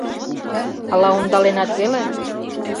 Ала ондаленат веле?..